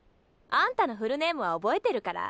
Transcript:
あんたのフルネームは覚えてるから。